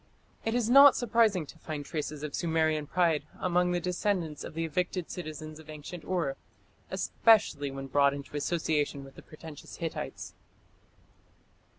It is not surprising to find traces of Sumerian pride among the descendants of the evicted citizens of ancient Ur, especially when brought into association with the pretentious Hittites.